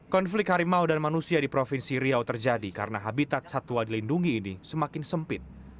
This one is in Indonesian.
konflik harimau dan manusia di provinsi riau terjadi karena habitat satwa dilindungi ini semakin sempit